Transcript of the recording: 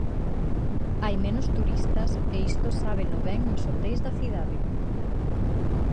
Hai menos turistas e isto sábeno ben nos hoteis da cidade.